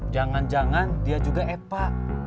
jangan jangan dia juga eta